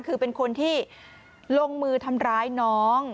คือเป็นคนที่ลงมือทำร้ายน้อง